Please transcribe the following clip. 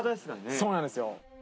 そうなんですよ